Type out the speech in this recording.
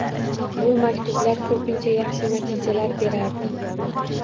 Bu maktublar ko'pincha yaxshi natijalar berardi.